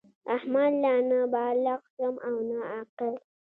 رحمان لا نه بالِغ شوم او نه عاقل.